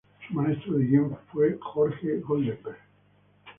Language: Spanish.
Su maestro de guion fue Jorge Goldenberg.